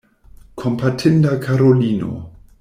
Kompatinda Karolino!